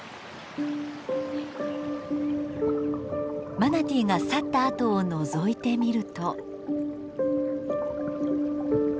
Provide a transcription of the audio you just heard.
マナティーが去ったあとをのぞいてみると。